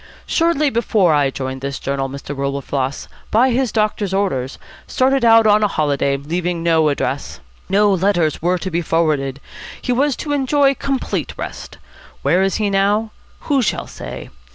Shortly before I joined this journal, Mr. Wilberfloss, by his doctor's orders, started out on a holiday, leaving no address. No letters were to be forwarded. He was to enjoy complete rest. Where is he now? Who shall say?